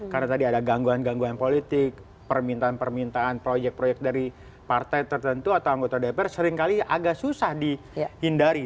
karena tadi ada gangguan gangguan politik permintaan permintaan proyek proyek dari partai tertentu atau anggota dpr seringkali agak susah dihindari